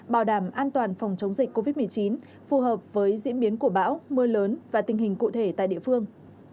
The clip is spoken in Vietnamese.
bảo đảm an toàn phòng chống dịch covid một mươi chín phù hợp với diễn biến của bão mưa lớn và tình hình cụ thể tại địa phương